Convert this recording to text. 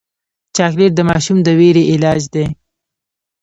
چاکلېټ د ماشوم د ویرې علاج دی.